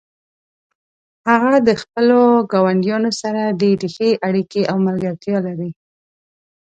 هغه د خپلو ګاونډیانو سره ډیرې ښې اړیکې او ملګرتیا لري